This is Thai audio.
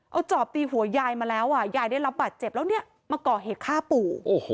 เอาจอบตีหัวยายมาแล้วยายได้รับบาดเจ็บแล้วเนี่ยมาก่อเหตุฆ่าปู่